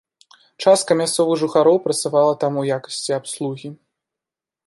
Частка мясцовых жыхароў працавала там у якасці абслугі.